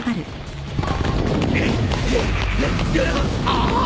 ああ！